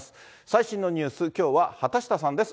最新のニュース、きょうは畑下さんです。